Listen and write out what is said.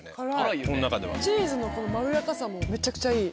チーズのまろやかさもめちゃくちゃいい。